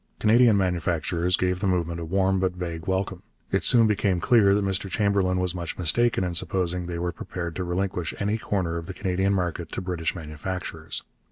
Canadian manufacturers gave the movement a warm but vague welcome; it soon became clear that Mr Chamberlain was much mistaken in supposing they were prepared to relinquish any corner of the Canadian market to British manufacturers.